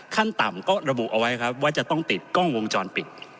ขั้นต่ำก็ระบุเอาไว้ครับว่าจะต้องติดกล้องวงจรปิด